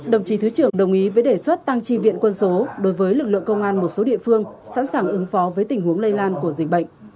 đồng chí thứ trưởng đồng ý với đề xuất tăng tri viện quân số đối với lực lượng công an một số địa phương sẵn sàng ứng phó với tình huống lây lan của dịch bệnh